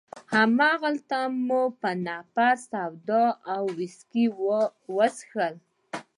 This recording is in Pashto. هماغلته مو په نفر سوډا او ویسکي وڅښل.